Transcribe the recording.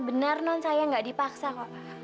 benar non saya nggak dipaksa kok